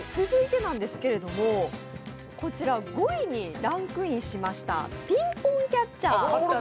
続いてですけれども、５位にランクインしましたピンポンキャッチャー